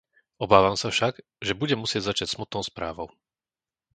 Obávam sa však, že budem musieť začať smutnou správou.